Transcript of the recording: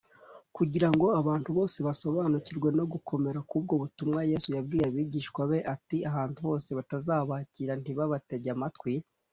kugira ngo abantu basobanukirwe no gukomera k’ubwo butumwa, yesu yabwiye abigishwa be ati, “ahantu hose batazabakira ntibabatege amatwi,